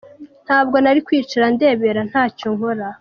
Ntabwo nari kwicara ndebera ntacyo nkora".